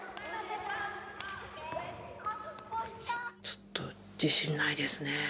ちょっと自信ないですねえ。